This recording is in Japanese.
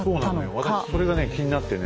私それがね気になってね。